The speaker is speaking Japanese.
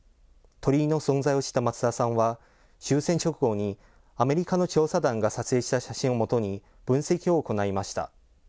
鳥居の存在を知った松田さんは、終戦直後にアメリカの調査団が撮影した写真をもとに、分析を行いました。